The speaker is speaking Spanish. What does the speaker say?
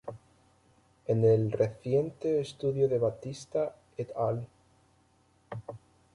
En el reciente estudio de Batista "et al".